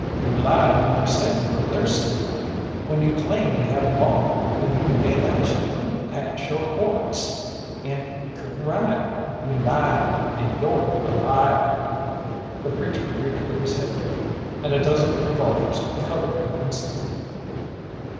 "You lied when you said you were thirsty, when you claimed to have walked, when you made out you couldn't catch your horse, and couldn't ride you lied, and you're a liar!" The preacher reached for his hip, and a dozen revolvers covered him instant.